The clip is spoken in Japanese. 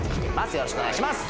よろしくお願いします